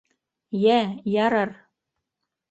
Йә, ярар!